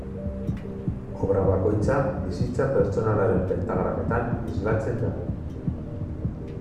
Obra bakoitza bizitza pertsonalaren pentagrametan islatzen da.